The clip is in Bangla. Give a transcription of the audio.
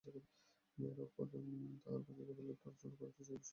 মেয়েরাও তাহার প্রতি কেবলই তর্জন করিতেছে, কিন্তু সুধীরকে নহিলে তাহাদের কোনোমতেই চলে না।